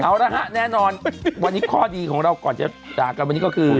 เอาละฮะแน่นอนวันนี้ข้อดีของเราก่อนจะจากกันวันนี้ก็คือ